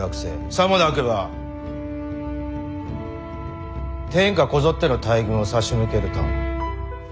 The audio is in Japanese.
さもなくば天下こぞっての大軍を差し向けると。